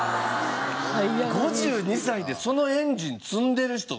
５２歳でそのエンジン積んでる人おるの！？